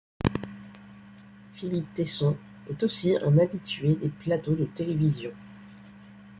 Philippe Tesson est aussi un habitué des plateaux de télévision.